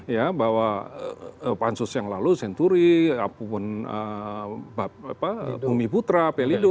ya bahwa pansus yang lalu senturi apapun bumi putra pelindo